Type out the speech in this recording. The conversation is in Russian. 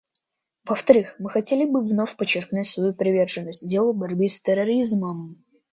Во-вторых, мы хотели бы вновь подчеркнуть свою приверженность делу борьбы с терроризмом.